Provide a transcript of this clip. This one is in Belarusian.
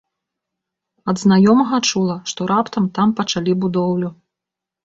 Ад знаёмага чула, што раптам там пачалі будоўлю.